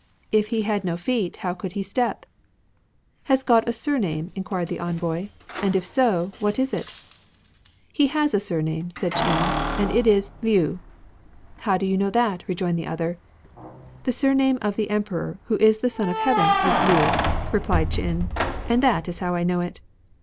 If He had no feet, how could He step ?" "Has God a surname ?" enquired the envoy. " And if so, what is it ?"" He has a surname," said Ch'in, " and it is Liu." " How do you know that ?" rejoined the other. " The surname of the Emperor, who is the Son of Heaven, is Liu," replied Ch'in ;and that is how I know it."